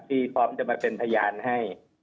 พร้อมจะมาเป็นพยานให้